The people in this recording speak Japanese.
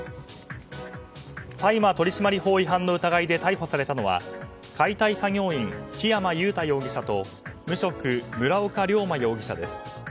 大麻取締法違反の疑いで逮捕されたのは解体作業員、木山祐太容疑者と無職、村岡龍真容疑者です。